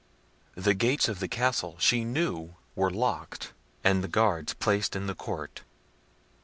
The gates of the castle, she knew, were locked, and guards placed in the court.